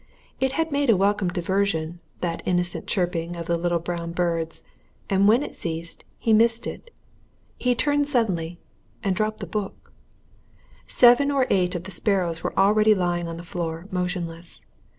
It had made a welcome diversion, that innocent chirping of the little brown birds, and when it ceased, he missed it. He turned suddenly and dropped the book. Seven or eight of the sparrows were already lying on the floor motionless.